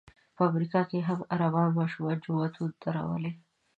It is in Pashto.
په امریکا کې هم عربان ماشومان جوماتونو ته راولي.